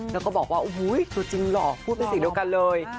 แล้วก็บอกว่าโอ้โฮจริงหล่อพูดเป็นสิ่งเดียวกันเลย